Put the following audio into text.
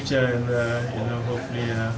semoga saya bisa membantu membangun